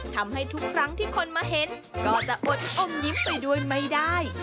ทำให้ทุกครั้งที่คนมาเห็นก็จะอดอมยิ้มไปด้วยไม่ได้